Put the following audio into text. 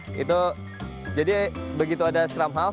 pasang polanya ada di bawah bagian bawah itu pola juga kita jeng lamb sleeves